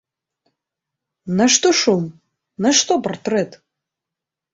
Нашто шум, нашто партрэт?